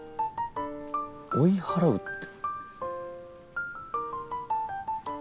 追い払うって。